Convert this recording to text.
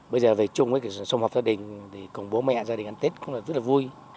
bây giờ về chung với cái sông học gia đình cùng bố mẹ gia đình ăn tết cũng rất là vui